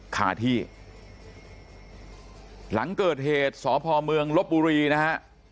คาที่หลังเกิดเหตุสพเมืองลบบุรีนะฮะ